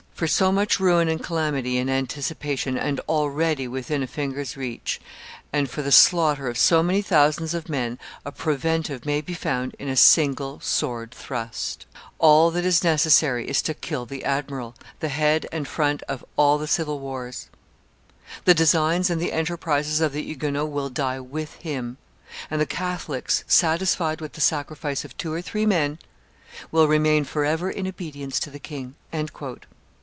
For so much ruin and calamity in anticipation and already within a finger's reach, and for the slaughter of so many thousands of men, a preventive may be found in a single sword thrust; all that is necessary is to kill the admiral, the head and front of all the civil wars; the designs and the enterprises of the Huguenots will die with him, and the Catholics, satisfied with the sacrifice of two or three men, will remain forever in obedience to the king. ..."